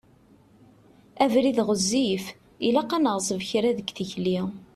Abrid ɣezzif, ilaq ad neɣṣeb kra deg tikli.